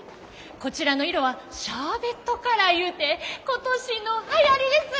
こちらの色はシャーベットカラーいうて今年のはやりです！